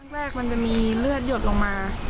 แรกมันจะมีเลือดหยดลงมา